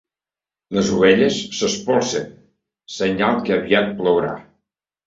Les ovelles s'espolsen: senyal que aviat plourà.